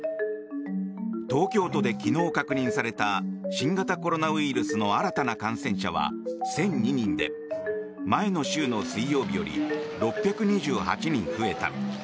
東京都で昨日確認された新型コロナウイルスの新たな感染者は１００２人で前の週の水曜日より６２８人増えた。